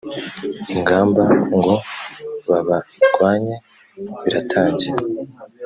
ingamba ngo babarwanye biratangira